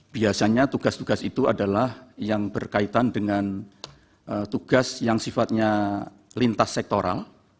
biasanya tugas tugas itu adalah yang berkaitan dengan tugas yang sifatnya lintas sektoral